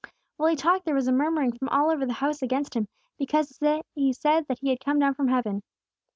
"While He talked there was a murmuring all over the house against Him, because He said that He had come down from heaven.